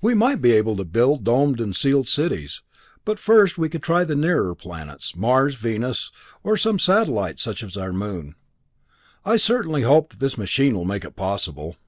We might be able to build domed and sealed cities. But first we could try the nearer planets Mars, Venus, or some satellites such as our Moon. I certainly hope that this machine will make it possible."